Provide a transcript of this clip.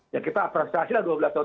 yang kita apresiasilah dua belas tahun